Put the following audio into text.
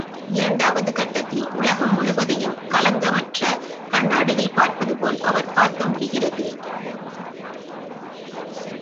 இரண்டாவது கட்டத்தில் உலகம் முழுவதையும் களங்கமற்ற கண்ணாடியில் பார்ப்பதுபோல் அவர் பார்க்க முடிகிறது.